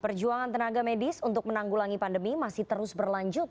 perjuangan tenaga medis untuk menanggulangi pandemi masih terus berlanjut